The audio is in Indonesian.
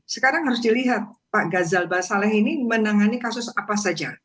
sekarang harus dilihat pak gazal basaleh ini menangani kasus apa saja